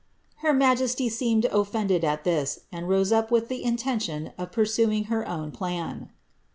Her majesty seemed offended at this, and rose up with the intention of pursuing her own plan.